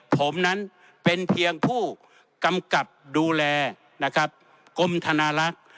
ผมนั้นเป็นเพียงผู้กำกับดูแลกลมทนารักษ์